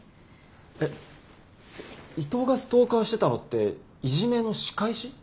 え伊藤がストーカーしてたのってイジメの仕返し？